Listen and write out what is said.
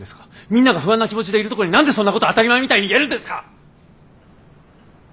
みんなが不安な気持ちでいるとこに何でそんなこと当たり前みたいに言えるんですか！